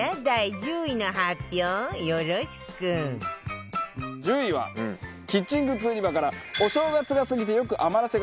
１０位はキッチングッズ売り場からお正月が過ぎてよく余らせがちなのがお餅。